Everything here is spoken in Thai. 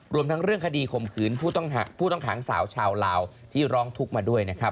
รวมทั้งเรื่องคดีข่มขืนผู้ต้องขังสาวชาวลาวที่ร้องทุกข์มาด้วยนะครับ